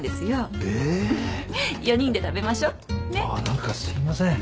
何かすいません。